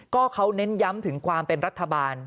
ก็เขาเน้นย้ำถึงความเป็นรัฐบาล